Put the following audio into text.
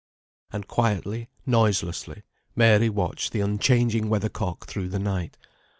And quietly, noiselessly, Mary watched the unchanging weather cock through the night.